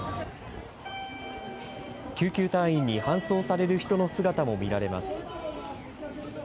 救急隊員に搬送される人の姿も見られます。